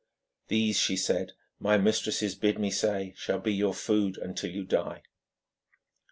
'These,' she said, 'my mistresses bid me say shall be your food until you die.'